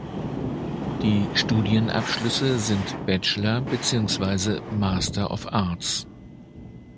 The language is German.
Die Studienabschlüsse sind Bachelor beziehungsweise Master of Arts.